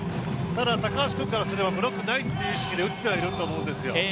ただ高橋君からすればブロックがないという意識で打っていると思うんですよね。